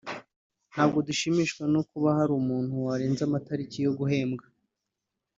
ntabwo dushimishijwe no kuba hari umuntu warenza amatariki yo guhembwa